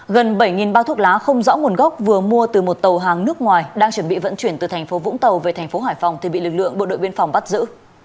gần bảy bao thuốc lá không rõ nguồn gốc vừa mua từ một tàu hàng nước ngoài đang chuẩn bị vận chuyển từ thành phố vũng tàu về thành phố hải phòng thì bị lực lượng bộ đội biên phòng bắt giữ